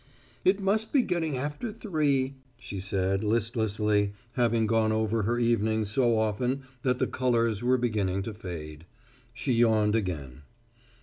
"It must be after three," she said, listlessly, having gone over her evening so often that the colours were beginning to fade. She yawned again.